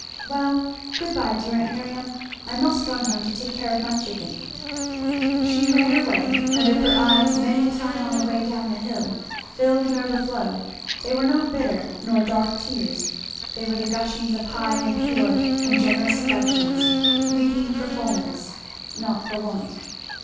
Well good bye, dear aunt Miriam I must run home to take care of my chicken." She ran away; and if her eyes many a time on the way down the hill filled and overflowed, they were not bitter nor dark tears; they were the gushings of high and pure and generous affections, weeping for fulness, not for want.